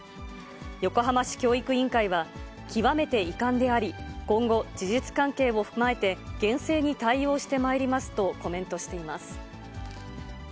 横浜市教育委員会は、極めて遺憾であり、今後、事実関係を踏まえて厳正に対応してまいりますとコメントしています。